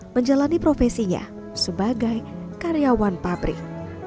menjalani profesinya sebagai karyawan pabrik